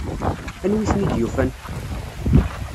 Anwi ay ten-id-yufan?